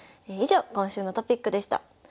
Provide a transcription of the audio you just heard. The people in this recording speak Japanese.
以上今週のトピックでした。